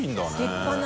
立派な。